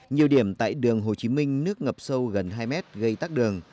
nhiều điểm tại đường hồ chí minh nước ngập sâu gần hai mét gây tắc đường